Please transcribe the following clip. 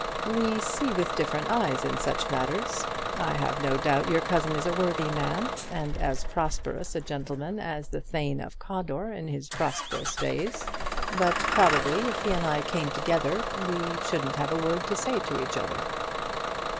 "We see with different eyes in such matters. I have no doubt your cousin is a worthy man and as prosperous a gentleman as the Thane of Cawdor in his prosperous days; but probably if he and I came together we shouldn't have a word to say to each other."